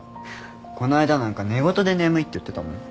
この間なんか寝言で眠いって言ってたもん。